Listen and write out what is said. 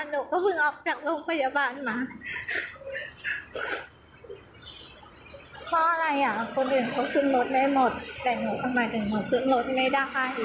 หนูก็เพิ่งออกจากโรงพยาบาลมา